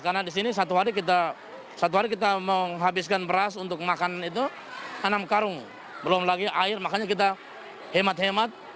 karena di sini satu hari kita menghabiskan beras untuk makanan itu enam karung belum lagi air makanya kita hemat hemat